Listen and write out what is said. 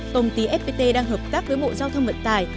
tổng tí fpt đang hợp tác với bộ giao thông vận tài